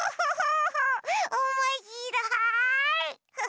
おもしろい！